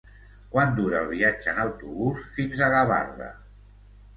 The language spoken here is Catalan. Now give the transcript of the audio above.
Quant dura el viatge en autobús fins a Gavarda?